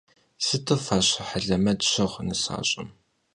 Sıtu faşe helemet şığ nısaş'em.